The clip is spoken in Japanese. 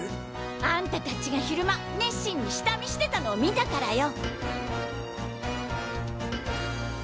あんた達が昼間熱心に下見してたのを見たからよ！